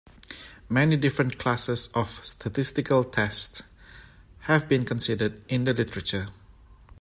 Many different classes of statistical tests have been considered in the literature.